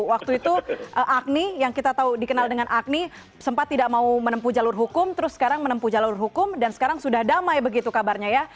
waktu itu agni yang kita tahu dikenal dengan agni sempat tidak mau menempuh jalur hukum terus sekarang menempuh jalur hukum dan sekarang sudah damai begitu kabarnya ya